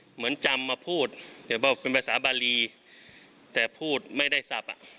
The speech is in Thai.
เหมือนจำมาพูดเป็นภาษาบาลีแต่พูดไม่ได้ทรัพย์